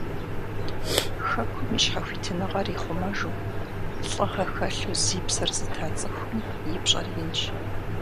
Хэкум и щхьэхуитыныгъэр ихъумэжу, лӀыгъэ хэлъу зи псэр зыта цӀыхум и пщӀэр инщ.